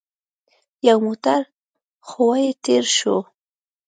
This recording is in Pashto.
يو موټر ښويه تېر شو.